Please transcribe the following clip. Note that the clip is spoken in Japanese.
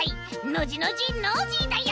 ノジノジノージーだよ！